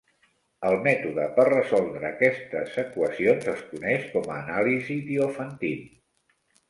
El mètode per resoldre aquestes equacions es coneix com a anàlisi Diophantine.